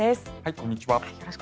こんにちは。